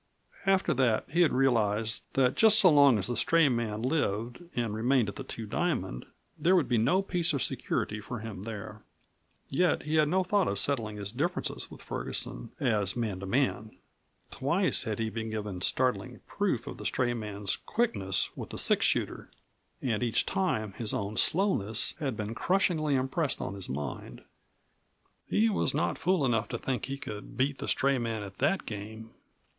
After that he had realized that just so long as the stray man lived and remained at the Two Diamond there would be no peace or security for him there. Yet he had no thought of settling his differences with Ferguson as man to man. Twice had he been given startling proof of the stray man's quickness with the six shooter, and each time his own slowness had been crushingly impressed on his mind. He was not fool enough to think that he could beat the stray man at that game.